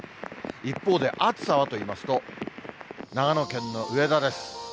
一方で、暑さはといいますと、長野県の上田です。